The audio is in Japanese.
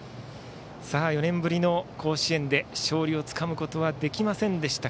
４年ぶりの甲子園で勝利をつかむことはできませんでした